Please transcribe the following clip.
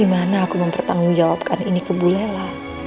gimana aku mempertanggungjawabkan ini ke bu lela